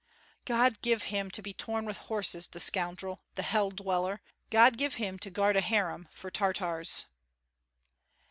"God give him to be torn with horses, the scoundrel, the hell dweller! God give him to guard a harem for Tartars!"